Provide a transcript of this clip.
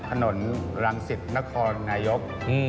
ถนนรังศิษย์นครไงยก